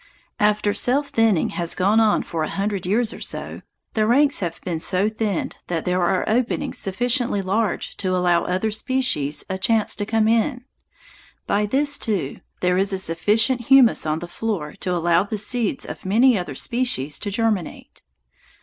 After self thinning has gone on for a hundred years or so, the ranks have been so thinned that there are openings sufficiently large to allow other species a chance to come in. By this time, too, there is sufficient humus on the floor to allow the seeds of many other species to germinate.